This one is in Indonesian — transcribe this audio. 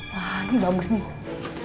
wah ini bagus nih